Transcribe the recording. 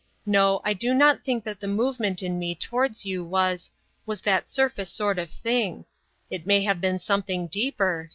No, I do not think that the movement in me towards you was...was that surface sort of thing. It may have been something deeper...